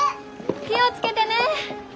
気を付けてね！